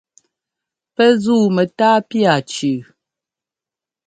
Pɛ́ zúu mɛtáa pía cʉʉ.